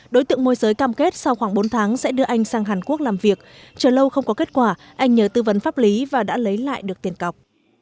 đối tượng môi giới cam kết sau khoảng bốn tháng sẽ đưa anh sang hàn quốc làm việc chờ lâu không có kết quả anh nhớ tư vấn pháp lý và đã lấy lại được tiền cọc